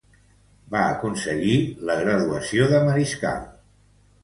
Va aconseguir la graduació de mariscal.